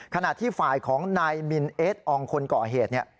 ขณะที่ฝ่ายของนายมินเอสอองคนก่อเหตุ